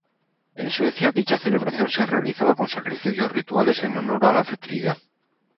En Suecia, dicha celebración se realizaba con sacrificios rituales en honor a la fertilidad.